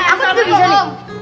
aku duduk di sini